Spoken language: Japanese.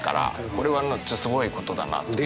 これはすごいことだなと思って。